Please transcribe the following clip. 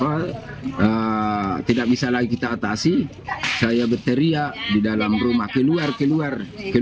warga tak sempat melarikan diri karena angin kencang yang datang tiba tiba dengan cepat merobohkan rumah mereka